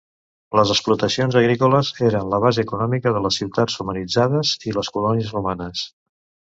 Les explotacions agrícoles eren la base econòmica de les ciutats romanitzades i les colònies romanes.